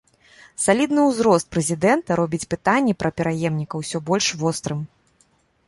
Салідны ўзрост прэзідэнта робіць пытанне пра пераемніка ўсё больш вострым.